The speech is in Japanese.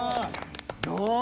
どう？